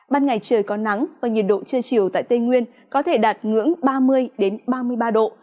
ban ngày trời có nắng và nhiệt độ trưa chiều tại tây nguyên có thể đạt ngưỡng ba mươi ba mươi ba độ